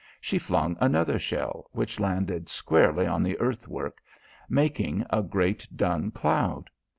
She flung another shell, which landed squarely on the earth work, making a great dun cloud.